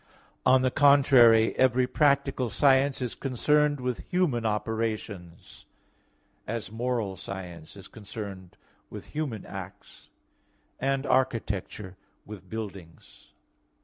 On the contrary, Every practical science is concerned with human operations; as moral science is concerned with human acts, and architecture with buildings.